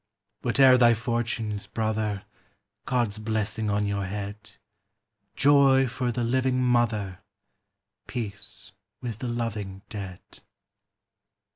Whate'er thy fortunes, brother! God's blessing on your head; Joy for the living mother, Peace with the loving dead.